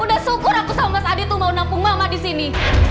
udah syukur aku sama mas adi tuh mau nampung mama di sini